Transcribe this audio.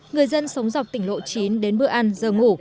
người dân sống dọc tỉnh lộ chín đến bữa ăn giờ ngủ